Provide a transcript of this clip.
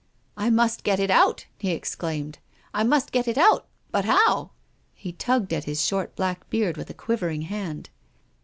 " I must get it out," he exclaimed. " I must get it out. But how? " He tugged at his short black beard with a quiv ering hand.